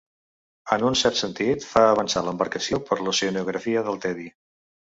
En un cert sentit, fer avançar l'embarcació per l'oceanografia del tedi.